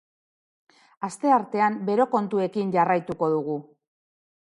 Asteartean bero kontuekin jarraituko dugu.